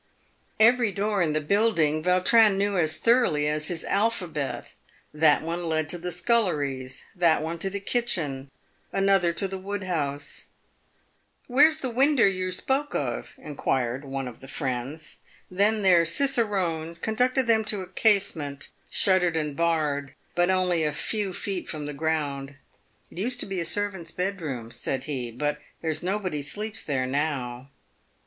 Every door in the building Vautrin knew as thoroughly as his alphabet. That one led to the sculleries ; that one to the kitchen, another to the wood house. 352 PAVED WITH GOLD. "Where's the winder you spoke of?" inquired one of the friends. Then their cicerone conducted them to a casement, shuttered and barred, but only a few feet from the ground. " It used to be a servant's bedroom," said he, "but there's nobody sleeps there now."